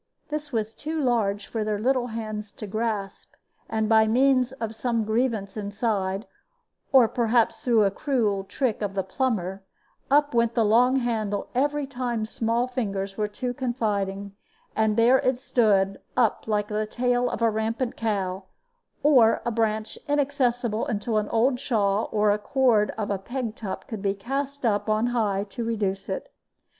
This was too large for their little hands to grasp, and by means of some grievance inside, or perhaps through a cruel trick of the plumber, up went the long handle every time small fingers were too confiding, and there it stood up like the tail of a rampant cow, or a branch inaccessible, until an old shawl or the cord of a peg top could be cast up on high to reduce it.